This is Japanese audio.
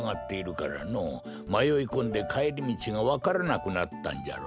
まよいこんでかえりみちがわからなくなったんじゃろ。